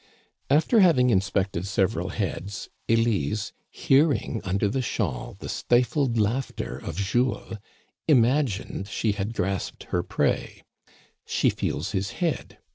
After having inspected several heads, Elise, hearing under the shawl the stifled laughter of Jules, imagined she had grasped her prey. She feels his head.